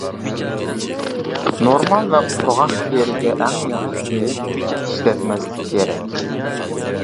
نورمال ۋە قۇرغاق تېرىگە ئەڭ ياخشىسى ئىشلەتمەسلىك كېرەك.